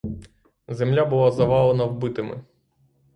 Земля була завалена вбитими.